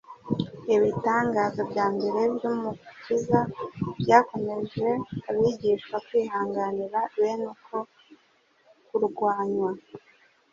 Ibitangaza bya mbere by’Umukiza byakomeje abigishwa kwihanganira bene uko kurwanywa.